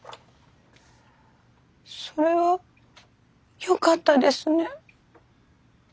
それはよかったですね。